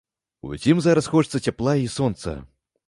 Усім зараз хочацца цяпла і сонца.